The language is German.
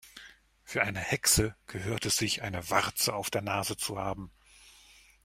Für eine Hexe gehört es sich, eine Warze auf der Nase zu haben.